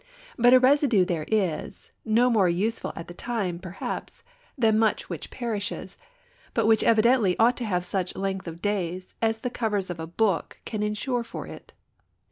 But a residue there is, no more useful at the time, perhaps, than much which perishes, but which evidently ought to have such length of days as the covers of a book can ensure for it.